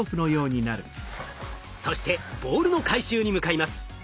そしてボールの回収に向かいます。